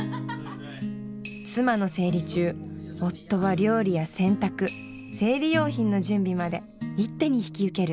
妻の生理中夫は料理や洗濯生理用品の準備まで一手に引き受ける。